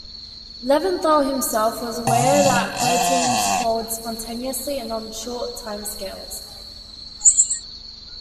Levinthal himself was aware that proteins fold spontaneously and on short timescales.